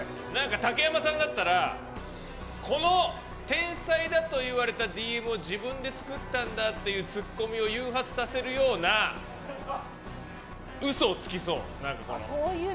竹山さんだったら天才だと言われたＤＭを自分で作ったんだっていうツッコミを誘発させるような嘘をつきそう。